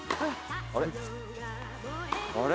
あれ？